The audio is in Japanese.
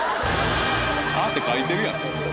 「あ」って書いてるやん。